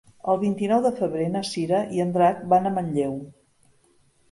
El vint-i-nou de febrer na Cira i en Drac van a Manlleu.